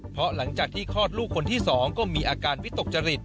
เพราะหลังจากที่คลอดลูกคนที่๒ก็มีอาการวิตกจริต